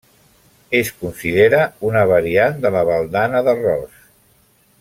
Es considera una variant de la baldana d'arròs.